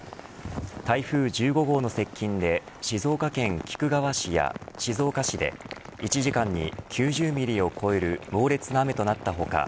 台風１５号の接近で静岡県菊川市や静岡市で１時間に９０ミリを超える猛烈な雨となった他